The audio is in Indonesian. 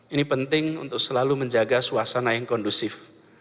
ini penting untuk selalu menjaga suasana yang kondusif